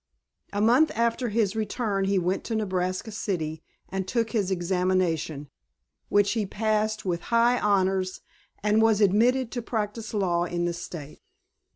A month after his return he went to Nebraska City and took his examination, which he passed with high honors and was admitted to practise law in the State.